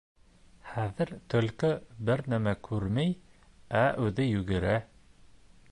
Хәҙер төлкө бер нәмә күрмәй, ә үҙе йүгерә.